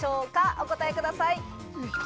お答えください。